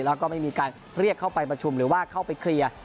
แล้วก็ไม่มีการเรียกเข้าไปประชุมหรือว่าเข้าไปเคลียร์